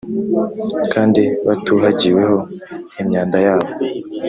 kandi batuhagiweho imyanda yabo